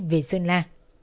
về sơn la